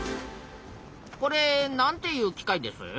これなんていう機械です？